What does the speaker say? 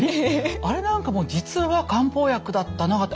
あれなんかも実は漢方薬だったなって